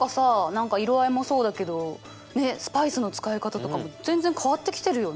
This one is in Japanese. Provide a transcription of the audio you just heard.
何か色合いもそうだけどねっスパイスの使い方とかも全然変わってきてるよね。